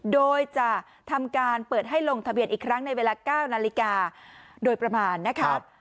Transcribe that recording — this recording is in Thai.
โดยจะทำการเปิดให้ลงทะเบียนอีกครั้งในเวลา๙นาฬิกาโดยประมาณนะครับ